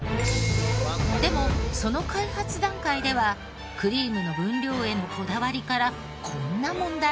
でもその開発段階ではクリームの分量へのこだわりからこんな問題も。